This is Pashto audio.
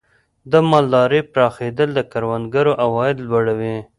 د مالدارۍ پراخېدل د کروندګر عواید لوړوي.